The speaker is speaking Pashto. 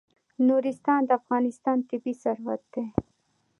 نورستان د افغانستان طبعي ثروت دی.